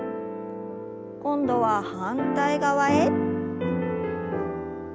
今度は反対側へ。